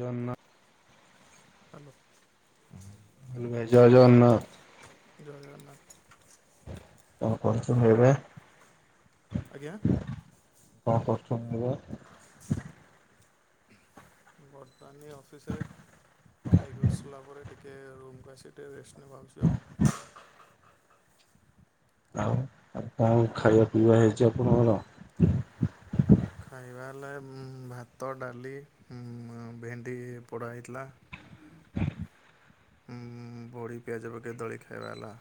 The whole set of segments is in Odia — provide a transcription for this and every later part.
ଜନା ହାଲୋ। ଜୟ ଜଗନା ଜୟ ଜଗନ୍ନାଥ୍। କଣ କଚୁ ଏବେ? ଆଜ୍ଞା। କ କରୁଚ ଏବେ? ବର୍ତ୍ତାନୀ ଅଫିସିରେ ଖାଇକି ଉଠସାଲା ପରେ ଟି କିଏ ରୁମ୍କୁ ଆସି ଟିଏ ରେଷ୍ଟ୍ ନଆ ଭାବୁଚି ଆଉ। ଆଉ ଆଉ କଣ ଖାଇବା ପିଇବା ହେଇଛି ଆପଣଙ୍କର? ଖାଇବା ହେଲେ ଭାତ ଡାଲି ଭେଣ୍ଡି ପୋଡ଼ା ହେଇଥିଲା। ହୁଁ ବଢି ପିଆଜ ପକେଇ ଦଳି ଖାଇବା ହେଲା।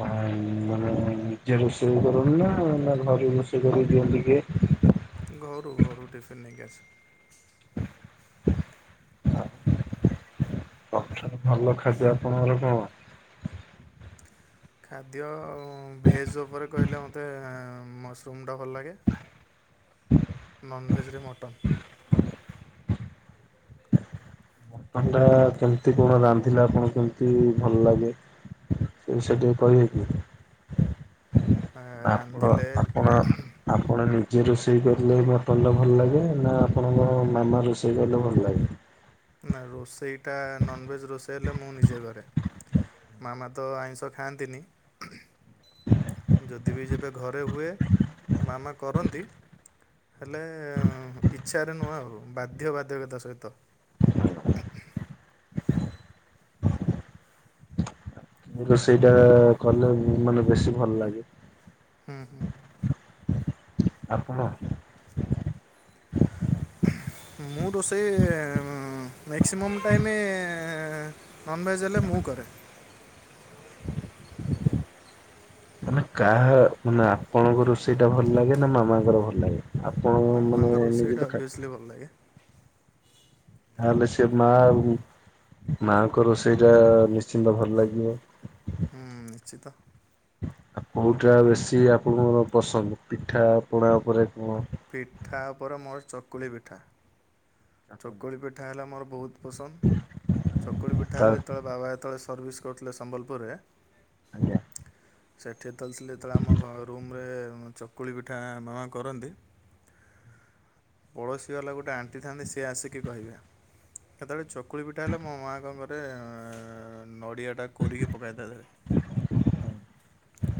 ମାନେ ନିଜେ ରୋଷେଇ କରନ୍ତି ନା ନା ଘରେ ରୋଷେଇ କରିକି ଦିଅନ୍ତି କିଏ। ଘରୁ ଘରୁ ଟିଫିନ୍ ନେଇକି ଆସେ। ସବୁଠାରୁ ଭଲ ଖାଦ୍ୟ ଆପଣଙ୍କର କଣ? ଖାଦ୍ୟ ଭେଜ୍ ଓପରେ କହିଲେ ମୋତେ ମସ୍ରୁମ୍ ଟା ଭଲ ଲାଗେ। Non veg mutton. ଥଣ୍ଡା କେମିତି କଣ ରାନ୍ଧିଲା ଆପଣ କେମତି ଭଲ ଲାଗେ। ସେ ସେଠ କରକି ଆ, ଆପ ରାନ୍ଧିଲେ ଆପଣ ଆପଣ ନିଜେ ରୋଷେଇ କଲେ ମଟନ୍ ଭଲ ଲାଗେ ନା ଆପଣଙ୍କ ମାମା ରୋଷେଇ କଲେ ଭଲ ଲାଗେ। ନା ରୋଷେଇଟା ନନ୍ଭେଜ୍ ରୋଷେଇ ହେଲେ ମୁଁ ନିଜେ କରେ। ମାମା ତ ଆଇଁଷ ଖାଆନ୍ତିନି। ଯଦି ବି ଯେବେ ଘରେ ହୁଏ ମାମା କରନ୍ତି। ହେଲେ ଇଚ୍ଛାରେ ନୁହେଁ ଆଉ ବାଧ୍ୟ ବାଧ୍ୟକତା ସହିତ। ହଁଁ ମୁଁ ରୋଷେଇ ଟା କଲେ ମାନେ ବେଶୀ ଭଲ ଲାଗେ। ହୁଁ ହୁଁ। ଆପଣ ମୁଁ ରୋଷେଇ ମ୍ୟାକ୍ସିମମ୍ ଟାଇମ୍ ନନ୍ଭେଜ୍ ହେଲେ ମୁଁ କରେ। ମାନେ କାହା ମାନେ ଆପଣଙ୍କ ରୋଷେଇ ଟା ଭଲ ଲାଗେ ନା ମାମାଙ୍କର ଭଲ ଲାଗେ। ଆପଣ ମାନେ ମାମାଙ୍କ ରୋଷେଇଟା ନିଜେ [unintelligible] ଅଭିଅସ୍ଲି ଭଲ ଲାଗେ। ଯାହାହେଲେ ସେ ମା ମା ଙ୍କ ରୋଷେଇ ଟା ନିଶ୍ଚିନ୍ତ ଭଲ ଲାଗିବ। ହୁଁ ନିଶ୍ଚିତ। କୋଉଟା ବେଶୀ ଆପଣଙ୍କର ପସନ୍ଦ ପିଠା ପଣା ଉପରେ କଣ? ପିଠା ଉପରେ ମୋର ଚକୁଳି ପିଠା। ଚକୁଳି ପିଠା ହେଲା ମୋର ବହୁତ୍ ପସନ୍ଦ ଚକୁଳି ପିଠା ତା ହେଲେ ତ ବାବା ଯେତେବେଳେ ସର୍ଭିସ୍ କରୁଥିଲେ ସମ୍ବଲପୁରରେ ଆଜ୍ଞା। ସେଠି ଯେତେବେଳେ ଥିଲେ ଯେତେବେଳେ ଆମ ଘରୁ ରୁମ୍ ରେ ଚକୁଳି ପିଠା ମାମା କରନ୍ତି। ପଡ଼ୋଶୀ ବାଲା ଗୋଟେ ଆଣ୍ଟି ଥାନ୍ତି ସିଏ ଆସିକି କହିବେ କେତେବେଳେ ଚକୁଳି ପିଠା ହେଲେ ମୋ ମାଆ କଣ କରେ ନଡ଼ିଆ ଟା କୋରିକି ପକାଏ ତା ଦେହରେ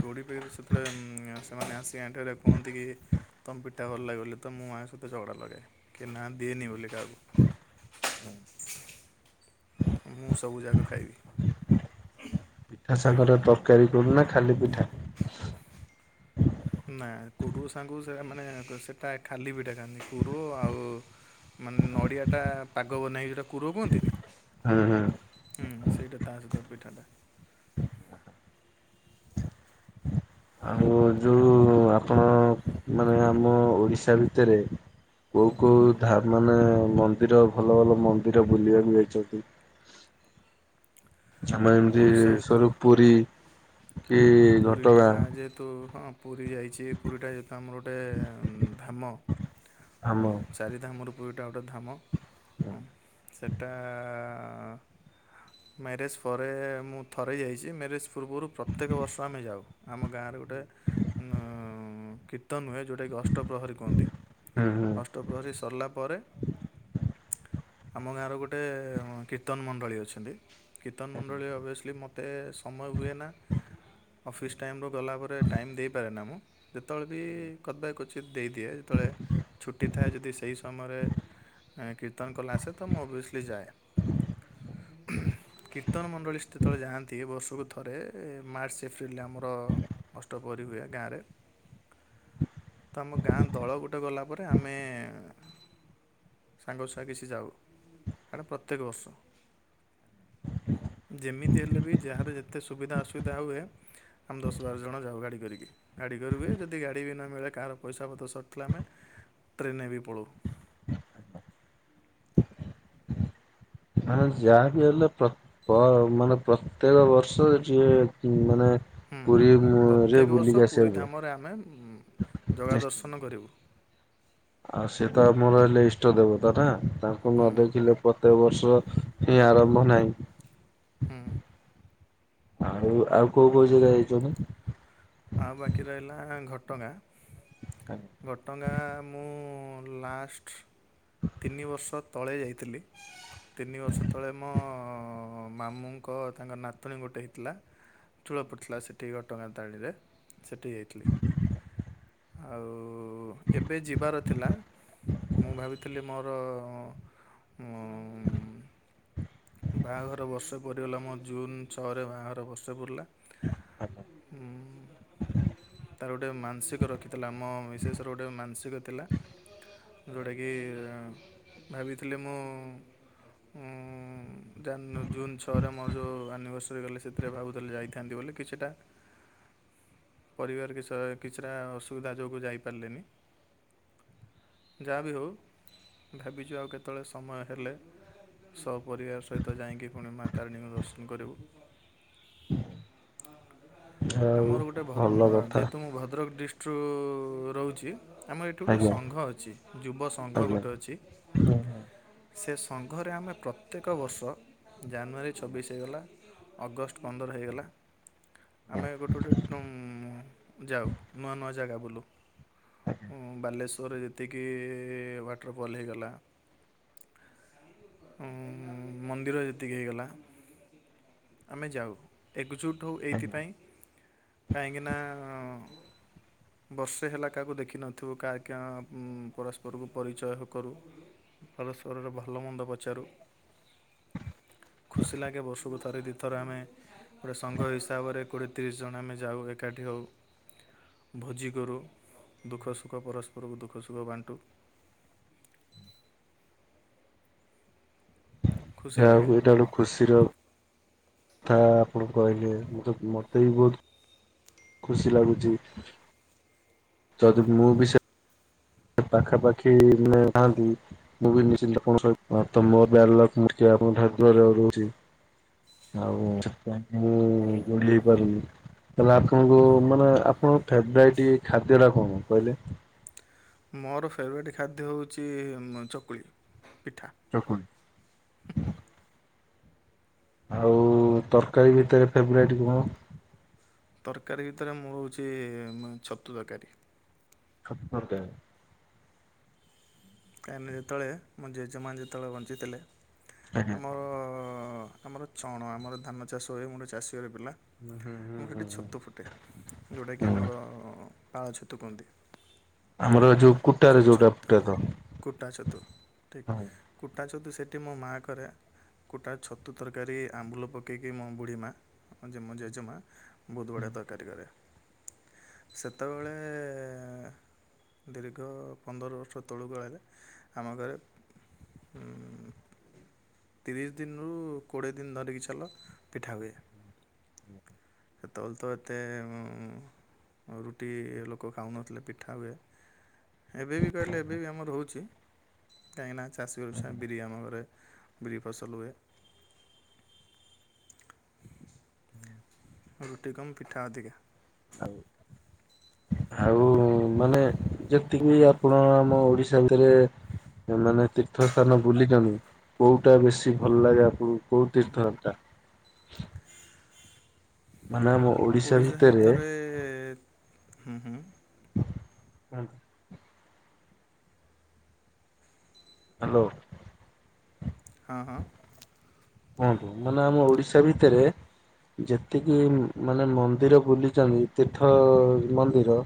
କୋଡି଼ [unintelligible] ସେତେବେଳେ ସେମାନେ ଆସିକି ଆଣ୍ଟି ହେରିକା କୁହନ୍ତି କି ତମ ପିଠା ଭଲ ଲାଗେ ବୋଲି ତ ମୁଁ ମା ସହିତ ଝଗଡ଼ା କରେ ଲଗାଏ କି ନା ଦେନି ବୋଲି କାହାକୁ। [inaudible] ମୁଁ ସବୁ ଯାକ ଖାଇବି। ପିଠା ସାଙ୍ଗରେ ତରକାରୀ କର ନା ଖାଲି ପିଠା? ନା କୋରୁଅ ସାଙ୍ଗକୁ ସେ ମାନେ ସେଇଟା ଖାଲି ପିଠା ଖାଆନ୍ତି କୋରୁଅ ଆଉ ମାନେ ନଡ଼ିଆ ଟା ପାଗ ବନେଇକି ହେଟା କୋରୁଅ କୁହନ୍ତିନି? ହୁଁ ହୁଁ। ହୁଁ ସେଇଟା ତା [unintelligible] ପିଠାଟା। ଆଉ ଯୋଉ ଆପଣ ମାନେ ଆମ ଓଡ଼ିଶା ଭିତରେ କୋଉ କୋଉ ଧା ମାନେ ମନ୍ଦିର ଭଲ ଭଲ ମନ୍ଦିର ବୁଲିବାକୁ ଯାଇଛନ୍ତି। ଆମେ ଏମିତି ଓଡ଼ିଶା [unintelligible] ପୁରୀ। କି ପୁରୀ ଟା ଘଟଗାଁ ଯେହେତୁ ହଁ ପୁରୀ ଯାଇ ଚି ପୁରୀ ଟା ଯେହେତୁ ଆମର ଗୋଟେ ଧାମ। ଆମ ଚାରିଧାମ ରୁ ପୁରୀ ଟା ଗୋଟେ ଧାମ ସେଇଟା ମ୍ୟାରେଜ୍ ପରେ ମୁଁ ଥରେ ଯାଇଛି ମ୍ୟାରେଜ୍ ପୂର୍ବରୁ ପ୍ରତ୍ୟେକ ବର୍ଷ ଆମେ ଯାଉ ଆମ ଗାଁରେ ଗୋଟେ କୀର୍ତ୍ତନ ହୁଏ ଯୋଉଟା କୁ ଅଷ୍ଟପ୍ରହରୀ କୁହନ୍ତି ହୁଁ ହୁଁ। ଅଷ୍ଟପ୍ରହରୀ ସରିଲା ପରେ ଆମ ଗାଁର ଗୋଟେ କୀର୍ତ୍ତନ ମଣ୍ଡଳୀ ଅଛନ୍ତି। କୀର୍ତ୍ତନ ମଣ୍ଡଳୀ [unintelligible] ମୋତେ ସମୟ ହୁଏନା। ଅଫିସ୍ ଟାଇମ୍ ରୁ ଗଲାପରେ ଟାଇମ୍ ଦେଇପାରେନା ମୁଁ। ଯେତେବେଳେ ବି କଦା କ୍ବଚିତ୍ ଦେଇଦିଏ ଯେତେବେଳେ ଛୁଟି ଥାଏ ଯଦି ସେଇ ସମୟରେ କୀର୍ତ୍ତନ କଲା ଆସେ ତ ମୁଁ ଅଭିଅସ୍ଲି ଯାଏ। [inaudible] କୀର୍ତ୍ତନ ମଣ୍ଡଳୀ ଯେତେବେଳେ ଯାଆନ୍ତି ବର୍ଷକୁ ଥରେ ମାର୍ସ ଏପ୍ରିଲ ରେ ଆମର ଅଷ୍ଟପ୍ରହରୀ ହୁଏ ଗାଁରେ ତ ଆମ ଗାଁ ଦଳ ଗୋଟେ ଗଲାପରେ ଆମେ ସାଙ୍ଗ ଛୁଆ କିଛି ଯାଉ ସେଇଟା ପ୍ରତ୍ୟେକ ବର୍ଷ। ଯେମିତି ହେଲେ ବି ଯାହାର ଯେତେ ସୁବିଧା ଅସୁବିଧା ହୁଏ ଆମେ ଦଶ ବାର ଜଣ ଯାଉ ଗାଡ଼ି କରିକି ଗାଡ଼ି କରା ହୁଏ ଯଦି ଗାଡ଼ି ବି ନ ମିଳେ କାହାର ପଇସା ପତ୍ର ସର୍ଟ ଥିଲେ ଆମେ ଟ୍ରେନରେ ବି ପଳୋଉ। ମାନେ ଯାଆନ୍ତି ହେଲେ ପ୍ର ପ ମାନେ ପ୍ରତ୍ୟେକ ବର୍ଷ ଯିଏ ମାନେ ହୁଁ ପୁରୀ ରେ ପ୍ରତ୍ୟେକ ବୁଲିକି ବର୍ଷ ପୁରୀ ଆସିବାକୁ ଧାମରେ ଆମେ ଜଗା ନିଶ୍ଚିନ୍ତ। ଦର୍ଶନ କରିବୁ। ଆଉ ସିଏ ତ ଆମର ହେଲେ ଇଷ୍ଟ ଦେବତା ନା ତାଙ୍କୁ ନ ହୁଁ ଦେଖିଲେ ପ୍ରତ୍ୟେକ ବର୍ଷ ହିଁ ଆରମ୍ଭ ନାହିଁ। ହୁଁ। ଆଉ ଆଉ କୋଉ କୋଉ ଜାଗା ଯାଇଚନି। ଆଉ ବାକି ରହିଲା ଘଟଗାଁ। ଆଜ୍ଞା। ଘଟଗାଁ ମୁଁ ଲାଷ୍ଟ ତିନି ବର୍ଷ ତଳେ ଯାଇଥିଲି ତିନି ବର୍ଷ ତଳେ ମୋ ମାମୁଁ ଙ୍କ ତାଙ୍କ ନାତୁଣୀ ଗୋଟେ ହେଇଥିଲା ଚୂଳ ପଡ଼ିଥିଲା ସେଟି ଘଟଗାଁ ତାରିଣୀ ରେ। ସେଟିକି ଯାଇଥିଲି। ଆଉ ଏବେ ଯିବାର ଥିଲା ମୁଁ ଭାବି ଥିଲି ମୋର ଉ ବାହାଘରର ବର୍ଷେ ପୁରିଗଲା ମୋ ଜୁନ ଛଅରେ ବାହାଘର ବର୍ଷେ ପୁରିଲା ଉ ତାର ଗୋଟେ ମାନସିକ ରଖ ତାହେଲେ ଆମ ମିଶେଷର ଗୋଟେ ମାନସିକ ଥିଲା। ଯେଉଁଟାକି ଭାବିଥିଲି ମୁଁ ଉ ଜାନ ଜୁନ୍ ଛଅରେ ମୋର ଯେଉଁ ଆନିଭର୍ସରୀ କଲେ ସେଥିରେ ଭାବୁଥିଲେ ଯାଇଥାନ୍ତି ବୋଲି କିଛିଟା ପରିବାର କି କିଛିଟା ଅସୁବିଧା ଯୋଗୁଁ ଯାଇପାରିଲେନି। ଯାହା ବିି ହୋଉ ଭାବିଚୁ ଆଉ କେତେବେଳେ ସମୟ ହେଲେ ସପରିବାର ସହିତ ଯାଇକି ପୁଣି ମା ତାରିଣୀଙ୍କୁ ଦର୍ଶନ କରିବୁ। ହଁ ଆଉ ଆମର ଗୋଟେ ଭଲ କଥା ଯେହେତୁ ମୁଁ ଭଦ୍ରକ ଡିଷ୍ଟ୍ରିରୁ ରହୁଚି ଆମର ଏଠି ଗୋଟେ ଆଜ୍ଞା ସଂଘ ଅଛି ଯୁବ ସଂଘ ଆଜ୍ଞା। ଗୋଟେ ଅଛି। ସେ ସଂଘରେ ଆମେ ପ୍ରତ୍ୟେକ ବର୍ଷ ଜାନୁଆରୀ ଛବିଶ ହେଇଗଲା ଅଗଷ୍ଟ ପନ୍ଦର ହେଇଗଲା ଆମେ ଗୋଟେ ଗଟେ ଟଁ ଯାଉ ନୂଆ ନୂଆ ଜାଗା ବୁଲୁ। ହଁ ବାଲେଶ୍ୱରରେ ଯ ଏତିକି ୱାଟରଫଲ୍ ହେଇଗଲା ଉଁ ଉଁ ମନ୍ଦିର ଯେତିକି ହେଇଗଲା ଆମେ ଯାଉ। ଏକଜୁଟ୍ ହୋଉ ଏଇଥିପାଇଁ କାହିଁକିନା ବର୍ଷେ ହେଲା କାହାକୁ ଦେଖିନଥିବୁ କାକଞ ପରସ୍ପରକୁ ପରିଚୟ କରୁ। ପରସ୍ପରର ଭଲ ମନ୍ଦ ପଚାରୁ। ଖୁସି ଲାଗେ ବର୍ଷୁକୁ ଥରେ ଦୁଇ ଥରେ ଆମେ ପୁରା ସଂଘ ହିସାବରେ କୋଡ଼ିଏ ତିରିଶ ଜଣ ଆମେ ଯାଉ ଏକାଠି ହେଉ। ଭୋଜି କରୁ ଦୁଃଖ ସୁଖ ପରସ୍ପରକୁ ଦୁଃଖ ସୁଖ ବାଣ୍ଟୁ। ଖୁସି ଯା ଲାଗେ ଏଇଟା ଗୋଟେ ଖୁସିର ଥା ଆପଣ କହିଲେ ମ ମତେ ବି ବୋହୁତ ଖୁସି ଲାଗୁଚି ଯଦି ମୁଁ ବି ସେ ପାଖାପାଖି ଥାଆନ୍ତି ମୁଁ ବି ନିଶ୍ଚି ଆପଣ [unintelligible] ରହୁଚି। ଆଉ ମୁଁ ଓଲହେଇ ପାରୁନି କଇଲା ଆପଣଙ୍କୁ ମାନେ ଆପଣଙ୍କ ଫେବରାଇଟି ଖାଦ୍ୟଟା କଣ କହିଲେ? ମୋର ଫେବରାଇଟ୍ ଖାଦ୍ୟ ହୋଉଚି ମ ଚକୁଳି ପିଠା। ଚକୁଳି ଆଉ ତରକାରୀ ଭିତରେ ଫେବରାଇଟ କଣ? ତରକାରୀ ଭିତରେ ମୁଁ ହୋଉଚି ମାନେ ଛତୁ ତରକାରୀ। ଛତୁ ତରକାରୀ। କାହିଁକିନା ଯେତୋଳେ ମୋ ଜେଜେମାଆ ଯେତୋଳେ ବଞ୍ଚିଥିଲେ ଆଜ୍ଞା। ଆମର ଆମର ଛଣ ଆମର ଧାନ ଚାଷ ହୁଏ ମୁଁ ଗୋଟେ ଚାଷୀ ଘର ପିଲା ହୁଁ ହୁଁ ହୁଁ ଆମର ହୁଁ ସେଠି ଛତୁ ହୁଁ ଫୁଟେ। ଯୋଉଟାକି ହୁଁ ଆମର ପାଳ ଛତୁ କୁହନ୍ତି। ଆମର ଏ ଯୋଉ କୁଟାରେ ସେ ଯୋଉଟା ଛତୁ ଫୁଟେ ତ। କୁଟା ଛତୁ ଠିକ୍ ହଁ। କୁଟା ଛତୁ ସେଠି ମୋ ମାଆ କରେ। କୁଟା ଛତୁ ତରକାରୀ ଆମ୍ବୁଲ ପକେଇକି ମୋ ବୁଢ଼ୀ ମାଆ ହଁ ଯିଏ ମୋ ଜେଜେମାଆ। ବୋହୁତ ବଢ଼ିଆ ତରକାରୀ କରେ ସେତେବେଳେ ଦିରେ ଦୀର୍ଘ ପନ୍ଦର ବର୍ଷ ତଳୁ କାଳରେ ଆମ ଘରେ ଉଁ ତିରିଶ ଦିନରୁ କୋଡ଼ିଏ ଦିନ ଧରିକି ଚାଲ ପିଠା ହୁଏ। ସେତବେଳେ ତ ଏତେ ଉଁ ଆଉ ରୁଟି ଲୋକ ଖାଉନଥିଲେ ପିଠା ହୁଏ। ଏବେ ବି କହିଲେ ଏବେ ବି ଆମର ରହୁଚି କାହିଁକିନା ଚାଷୀ ଘର ଛୁଆ ବିରି ଆମ ଘରେ ବିରି ଫସଲ ହୁଏ। ଆଉ ରୁଟି କମ ପିଠା ଅଧିକା। ଆଉ ଆଉ ମାନେ ଯେତିକି ଆପଣ ଆମ ଓଡିଶା ଭିତରେ ମାନେ ତୀର୍ଥ ସ୍ଥାନ ବୁଲିଚନ୍ତି କୋଉଟା ବେଶୀ ଭଲ ଲାଗେ ଆପଣଙ୍କୁ କୋଉ ହୁଁ ହୁଁ ତୀର୍ଥଟା। ମାନେ ମୁଁ ଓଡ଼ିଶା ଭିତରେ ହୁଁ ହୁଁ। [unintelligible] ହାଲୋ। ହଁ ହଁ। କୁହନ୍ତୁ ମାନେ ଆମ ଓଡିଶା ଭିତରେ ଯେତିକି ଏଇ ମାନେ ମନ୍ଦିର ବୁଲିଚନ୍ତି ତୀର୍ଥ ମନ୍ଦିର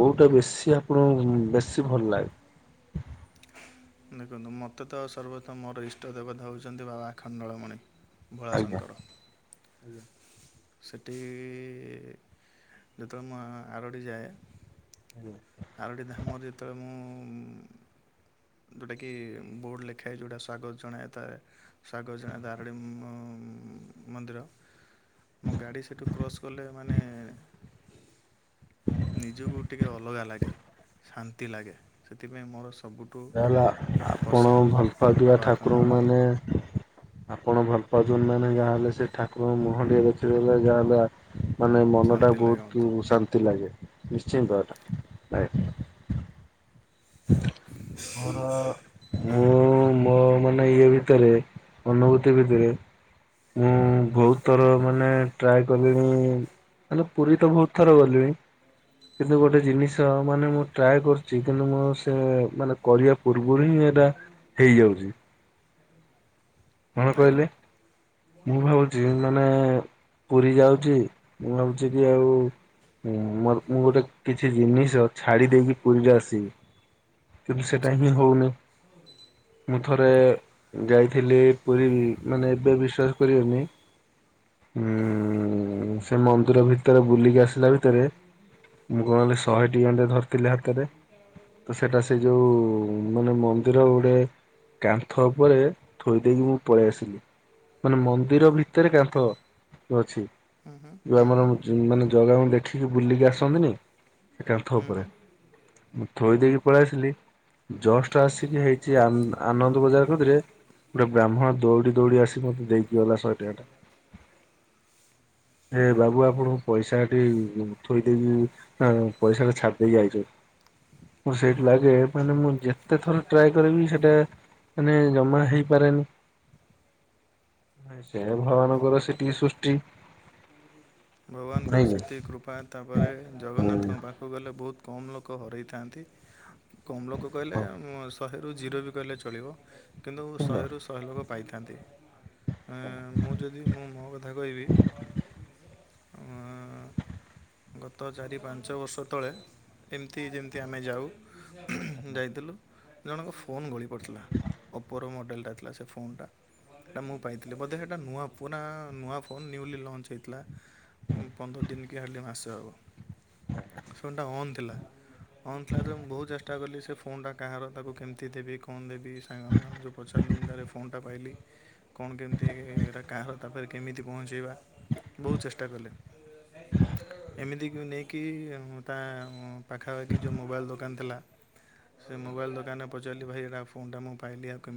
କୋଉଟା ବେଶୀ ଆପଣଙ୍କୁ ବେଶୀ ଭଲ ଲାଗେ? ଦେଖନ୍ତୁ ମତେ ତ ସର୍ବତମ ମୋର ଇଷ୍ଟଦେବତା ହୋଉଚନ୍ତି ବାବା ଆଖଣ୍ଡଳମଣି। ଭୋଳାଶଙ୍କର। ଆଜ୍ଞା। ସେଠି ଇ ଯେତଳେ ମୁଁ ଆ ଆରଡ଼ି ଯାଏ ଆଜ୍ଞା। ଆରଡି ଧାମରେ ଯେତଳେ ମୁଁ ଯୋଉଟାକି ବୋର୍ଡ଼ ଲେଖା ହେଇଚି ଯୋଉଟା ସ୍ଵାଗତ ଜଣାଏ ଥାଏ ସ୍ବାଗତ ଜଣାଏ ଥାଏ ଆରଡ଼ି ମ ମନ୍ଦିର ମୋ ଗାଡ଼ି ସେଠୁ କ୍ରସ୍ କଲେ ମାନେ [inaudible] ନିଜକୁ ଟିକେ ଅଲଗା ଲାଗେ, ଶାନ୍ତି ଲାଗେ, ସେଥିପାଇଁ ମୋର ସବୁଠୁ ଯାହେଲେ ଆ ଆପଣ ପସନ୍ଦ ଭଲ ପାଉଥୁବା ବାବା ଠାକୁରଙ୍କୁ ଆଖଣ୍ଡଳମଣି ମାନେ ଆପଣ ଭଲ ପାଉଚନ୍ତି ମାନେ ଯାହେଲେ ସେ ଠାକୁରଙ୍କ ମୁହଁ ଟିକେ ଦେଖିଦେଲେ ଯାହା ବି ଆ ମାନେ ମନଟା ଶାନ୍ତି ଲାଗେ ବୋହୁତୁ ମୋତେ ଶାନ୍ତି ଲାଗେ ନିଶ୍ଚିତ ଏଟା ଥାଏ। ମୋର ମୋର ମାନେ ଇଏ ଭିତରେ ଅନୁଭୂତି ଭିତରେ ମୁଁ ବୋହୁତ ଥର ମାନେ ଟ୍ରାଏ କଲିଣି ହେଲେ ପୁରୀ ତ ବୋହୁତ ଥର ଗଲଣି କିନ୍ତୁ ଗୋଟେ ଜିନିଷ ମାନେ ମୁଁ ଟ୍ରାଏ କରୁଚି, କିନ୍ତୁ ମୁଁ ସେ ମାନେ କରିଆ ପୂର୍ବରୁ ହିଁ ଏଇଟା ହେଇଯାଉଚି। କଣ ଆଜ୍ଞା କହିଲେ? ମୁଁ ଭାବୁଚି ମାନେ ପୁରୀ ଯାଉଚି ମୁଁ ଭାବୁଚି କି ଆଉ ହୁଁ ମୋର ମୁଁ ଗୋଟେ କିଛି ଜିନିଷ ଛାଡି ଦେଇକି ପୁରୀରେ ଆସିବି କିନ୍ତୁ ସେଟା ଆଚ୍ଛା ହିଁ ହଉନି, ମୁଁ ଥରେ ଯାଇଥିଲି ପୁରୀ କି, ମାନେ ଏବେ ବିଶ୍ଵାସ କରିବେନି ଉଁ ସେ ମନ୍ଦିର ଭିତେରେ ବୁଲିକି ଆସିଲା ଭିତେରେ ମୁଁ କଣ କଲି ଶହେଟି [unintelligible] ଧରିଥିଲି ହାତେରେ [unintelligible] ତ ସେଟା ସେ ଯୋଉ ମାନେ ମନ୍ଦିର ଗୋଟେ କାନ୍ଥ ଉପରେ ଥୋଇ ଦେଇକି ମୁଁ ପଳେଇ ଆସିଲି, ମାନେ ମନ୍ଦିର ଭିତରେ କାନ୍ଥ ଯୋଉ ଅଛି ହୁଁ ହୁଁ ଯୋଉ ହୁଁ ଆମର ହୁଁ ମୁ ଜୁ ମାନେ ଜଗାଙ୍କୁ ଦେଖିକି ବୁଲିକି ଆସନ୍ତିନି ସେ କାନ୍ଥ ହୁଁ ହୁଁ ଉପରେ ମୁଁ ଥୋଇ ଦେଇକି ପଳେଇଆସିଲି ଜଷ୍ଟ ଆସିକି ହେଇଚି ଆନ ଆନନ୍ଦ ବଜାର କତିରେ ଗୋଟେ ବ୍ରାହ୍ମଣ ଦୌଡି ଦୌଡି ଆସିକି ମତେ ଦେଇକି ଗଲା ଶହେ ଟଙ୍କିଆଟା। ଏ ବାବୁ ଆପଣଙ୍କୁ ପଇସାଟି ଥୋଇ ଦେଇକି ହଁ ପଇସାଟା ଛାଡ଼ି ଦେଇକି ଆଇଚ ମୁଁ ସେଇଟି ଲାଗେ ମାନେ ମୁଁ ଯେତେ ଥର ଟ୍ରାଏ କରିବି ସେଟା ମାନେ ଜମା ହେଇପାରେନି। ସେଣେ ଭଗବାନଙ୍କର ସେଟିକି ସୃଷ୍ଟି। ଭଗବାନଙ୍କର ନାଇଁ କି? ସେତିକ କୃପା ତା ପରେ ଜଗନ୍ନାଥଙ୍କ ପାଖକୁ ଗଲେ ବହୁତ କମ୍ ଲୋକ ହରାଇଥାନ୍ତି କମ୍ ଲୋକ କହିଲେ ଆ ମ୍ ଶହେରୁ ଜିରୋ ବି କହିଲେ ଚଳିବ କିନ୍ତୁ ହୁଁ। ଶହେରୁ ଶହେ ଲୋକ ପାଇଥାନ୍ତି ଏ ମୁଁ ଯଦି ମୁଁ ମୋ କଥା କହିବି [unintelligible] ଅ ଗତ ଚାରି ପାଞ୍ଚ ବର୍ଷ ତଳେ ଏମିତି ଯେମିତି ଆମେ ଯାଉ ଯାଇଥିଲୁ ଜଣଙ୍କ ଫୋନ୍ ଗଳି ପଡ଼ି ଥିଲା ଓପୋର ମଡେଲଟା ଥି ଲା ସେ ଫୋନ୍ଟା ସେଇଟା ମୁଁ ପାଇଥିଲି ବୋଧେ ହେଟା ନୂଆ ପୁନା ନୂଆ ଫୋନ୍ ନ୍ୟୁଲି ଲଞ୍ଚ ହେଇଥିଲା ଉ ପନ୍ଦର ଦିନ୍ କି ହାଲି ମାସେ ହେବ ଫୋନ୍ଟା ଅନ୍ ଥିଲା ଅନ୍ ଥିଲା ଯେତେବେଲ୍ ମୁଁ ବହୁତ ଚେଷ୍ଟା କଲି ସେ ଫୋନ୍ ଟା କାହାର ତାକୁ କେମିତି ଦେବି କଣ ଦେବି ସାଙ୍ଗ ମୁ ଆମେ ଯଉ ପଚାରିଲୁ ମୁଁ କହିଲି ଆରେ ଫୋନ ଟା ପାଇଲି କଣ କେମିତିଏ -ଏଇରା କାହାର ତାପରେ କେମିତି ପହଞ୍ଚେଇବା ବହୁତ ଚେଷ୍ଟା କଲେ ଏମିତି କି ନେଇକି ତା ପାଖାପାଖି ଯେଉଁ ମୋବାଇଲ୍ ଦୋକାନ ଥିଲା ସେ ମୋବାଇଲ୍ ଦୋକାନରେ ପଚାରିଲି ଭାଇ ଏଟା ଫୋନ୍ଟା ମୁଁ ପାଇଲି ଆଉ କେମିତି